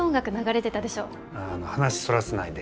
話そらさないで。